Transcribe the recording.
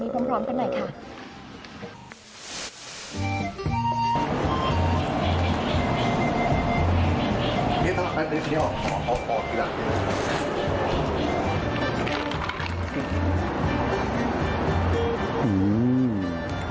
นี่ถ้าแป๊บนึงนี่ออกออกอีกหนักนิดหน่อยค่ะ